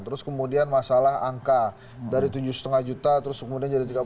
terus kemudian masalah angka dari tujuh lima juta terus kemudian jadi tiga puluh